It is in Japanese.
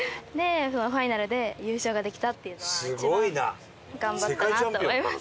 ファイナルで優勝ができたっていうのは一番頑張ったなって思います。